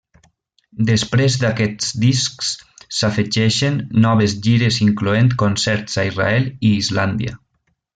Després d'aquests discs s'afegeixen noves gires incloent concerts a Israel i Islàndia.